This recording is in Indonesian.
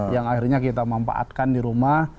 yang akhirnya kita manfaatkan di rumah